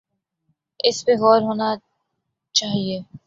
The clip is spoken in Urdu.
اس پہ غور ہونا چاہیے۔